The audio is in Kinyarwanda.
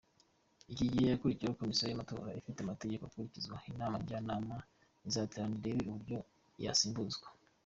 Ikigiye gukurikiraho komisiyo y’ amatora ifite amategeko akurikizwa inama nyanama izaterana irebe uburyo yasimbuzwa".